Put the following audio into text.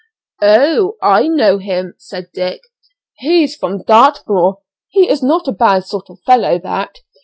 "Oh! I know him," said Dick, "he's from Dartmoor; he is not a bad sort of fellow, that.